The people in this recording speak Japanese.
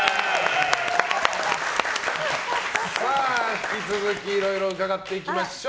引き続きいろいろ伺っていきましょう。